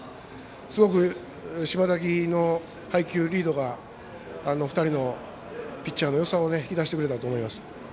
すごく島瀧の配球、リードが２人のピッチャーのよさを引き出してくれたと思います。